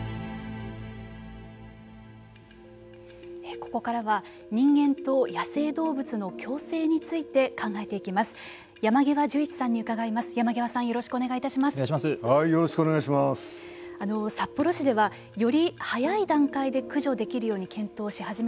ここからは人間と野生動物の共生について考えていきます。